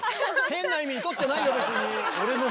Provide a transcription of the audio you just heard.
変な意味に取ってないよ別に。